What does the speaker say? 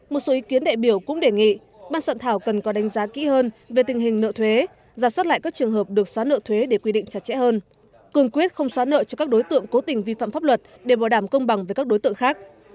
một số ý kiến đại biểu cũng đề nghị ban soạn thảo cần có đánh giá kỹ hơn về tình hình nợ thuế giả soát lại các trường hợp được xóa nợ thuế để quy định chặt chẽ hơn cường quyết không xóa nợ cho các đối tượng cố tình vi phạm pháp luật để bỏ đảm công bằng với các đối tượng khác